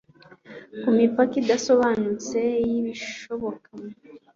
Ku mipaka idasobanutse y'ibishoboka